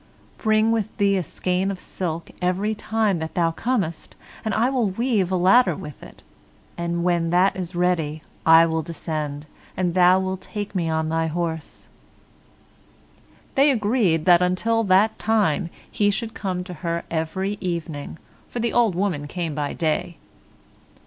Bring with you a skein of silk every time that you come, and I will weave a ladder with it, and when that is ready I will descend, and you will take me on your horse." They agreed that until that time he should come to her every evening, for the old woman came by day.